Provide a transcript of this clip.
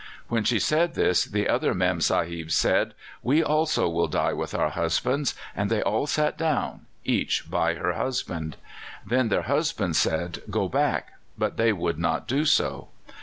"When she said this the other mem sahibs said: 'We also will die with our husbands;' and they all sat down, each by her husband. "Then their husbands said: 'Go back;' but they would not do so.